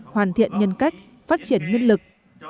hoàn thiện nhân cách phát triển nhân lực